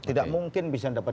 tidak mungkin bisa dapat